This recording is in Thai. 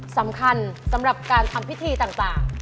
สำคัญสำหรับการทำพิธีต่าง